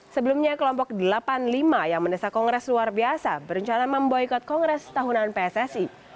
sebelumnya kelompok delapan puluh lima yang mendesak kongres luar biasa berencana memboykot kongres tahunan pssi